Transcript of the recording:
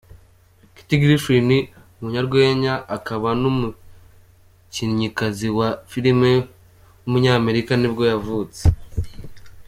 Kathy Griffin, umunyarwenya akaba n’umukinnyikazi wa filime w’umunyamerika nibwo yavutse.